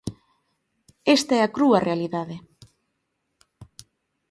¡Esta é a crúa realidade!